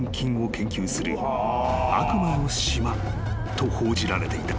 ［こう報じられていた］